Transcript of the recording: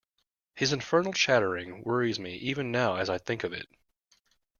His infernal chattering worries me even now as I think of it.